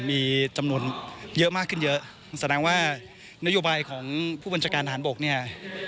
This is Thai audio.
มีจำนวนเยอะมากขึ้นเยอะแสดงว่านโยบายของผู้บัญชาการฐานบกเนี่ย